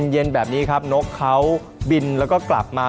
เย็นแบบนี้ครับนกเขาบินแล้วก็กลับมา